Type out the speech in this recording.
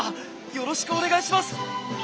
よろしくお願いします！